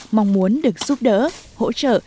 mong muốn được giúp đỡ hỗ trợ